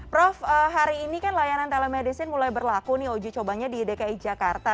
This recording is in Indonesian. prof hari ini kan layanan telemedicine mulai berlaku nih uji cobanya di dki jakarta